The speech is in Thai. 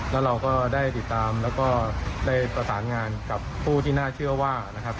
แล้วเราก็ได้ติดตามแล้วก็ได้ประสานงานกับผู้ที่น่าเชื่อว่านะครับ